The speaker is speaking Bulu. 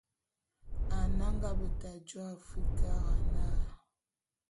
Ane a nga beta jô Afrikara na.